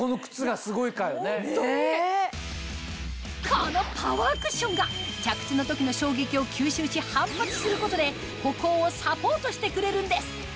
このパワークッションが着地の時の衝撃を吸収し反発することで歩行をサポートしてくれるんです